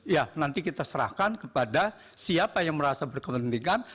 ya nanti kita serahkan kepada siapa yang merasa berkepentingan